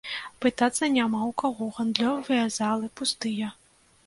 Пытацца няма ў каго, гандлёвыя залы пустыя.